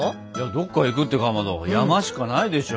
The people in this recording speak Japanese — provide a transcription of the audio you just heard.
どっか行くってかまど山しかないでしょ。